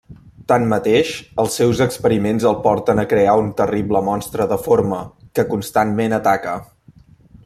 Tanmateix, els seus experiments el porten a crear un terrible monstre deforme; que constantment ataca.